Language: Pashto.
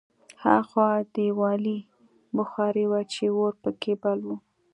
هاخوا دېوالي بخارۍ وه چې اور پکې بل و